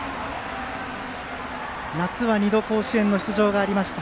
夏は２度甲子園の出場がありました。